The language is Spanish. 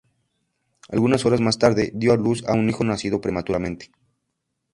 Algunas horas más tarde, dio a luz a un hijo nacido prematuramente.